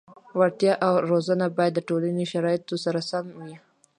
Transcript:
وړتیا او روزنه باید د ټولنې شرایطو سره سم وي.